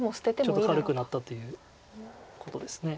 ちょっと軽くなったということです。